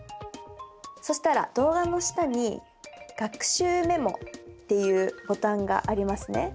そしたら動画の下に「学習メモ」っていうボタンがありますね。